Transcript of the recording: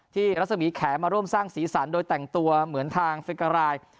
รัศมีแขมาร่วมสร้างสีสันโดยแต่งตัวเหมือนทางเฟการาย